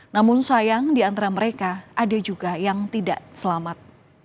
namun sayang di antara mereka ada juga yang tidak selamat